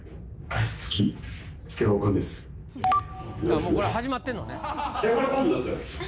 もうこれ始まってんのね。